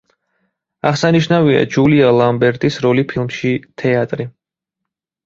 აღსანიშნავია ჯულია ლამბერტის როლი ფილმში „თეატრი“.